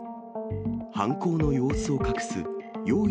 犯行の様子を隠す用意